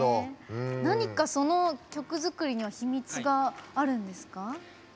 何かその曲作りには秘密があるんですか？